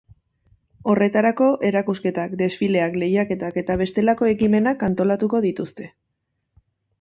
Horretarako erakusketak, desfileak, lehiaketak eta bestelako ekimenak antolatuko dituzte.